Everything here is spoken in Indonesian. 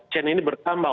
cene ini bertambah